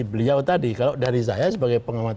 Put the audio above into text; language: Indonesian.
beliau tadi kalau dari saya sebagai pengamat